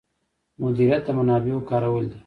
مدیریت د منابعو کارول دي